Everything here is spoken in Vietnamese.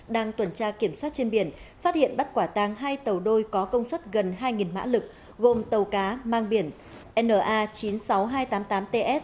đang tuần tra kiểm soát trên biển phát hiện bắt quả tàng hai tàu đôi có công suất gần hai mã lực gồm tàu cá mang biển na chín mươi sáu nghìn hai trăm tám mươi tám ts